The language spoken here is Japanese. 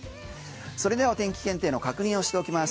それではお天気検定の確認をしておきます